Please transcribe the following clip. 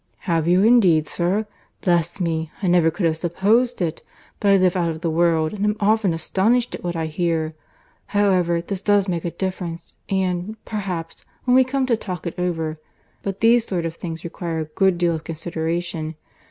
"Have you indeed, sir?—Bless me! I never could have supposed it. But I live out of the world, and am often astonished at what I hear. However, this does make a difference; and, perhaps, when we come to talk it over—but these sort of things require a good deal of consideration.